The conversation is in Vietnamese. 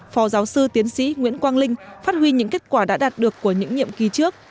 phó giáo sư tiến sĩ nguyễn quang linh phát huy những kết quả đã đạt được của những nhiệm kỳ trước